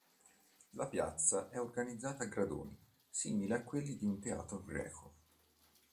La piazza è organizzata a gradoni, simili a quelli di un teatro greco.